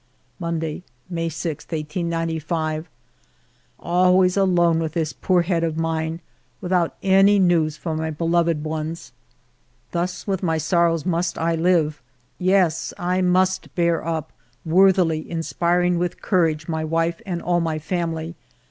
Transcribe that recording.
Monday^ May 6, 1895. Always alone with this poor head of mine, without any news from my beloved ones. Thus with my sorrows must I live ! Yes, I must bear up, worthily inspiring with courage my wife and all my family.